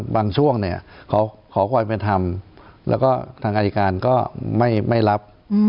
บางช่วงของข่อควรไปทำแล้วก็ทางอายุการก็ไม่รับ